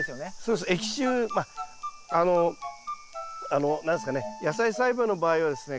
あの何ですかね野菜栽培の場合はですね